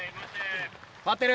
回ってる。